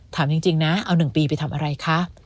ถามจริงเอาหนึ่งปีทำอะไรคะ